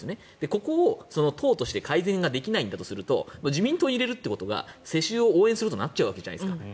ここを党として改善ができないんだとすると自民党に入れるということが世襲を応援することになっちゃうわけじゃないですか。